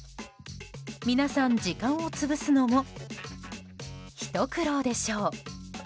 皆さん、時間を潰すのもひと苦労でしょう。